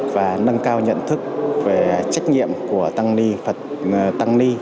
và nâng cao nhận thức về trách nhiệm của tăng ni